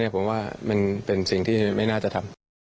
ผมว่ามันเป็นสิ่งที่ไม่น่าจะทำ